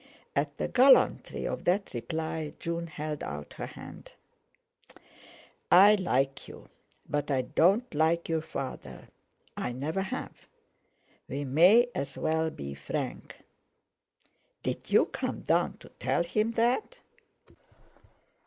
At the gallantry of that reply, June held out her hand. "I like you; but I don't like your father; I never have. We may as well be frank." "Did you come down to tell him that?"